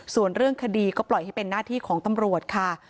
ส่วนเรื่องคดีก็ปล่อยให้เป็นหน้าที่ของตำรวจค่ะ